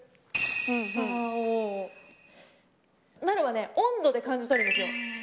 なるはね温度で感じ取るんですよ。